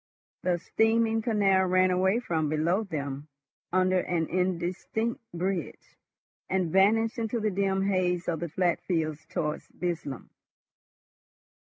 The steaming canal ran away from below them under an indistinct bridge, and vanished into the dim haze of the flat fields towards Burslem.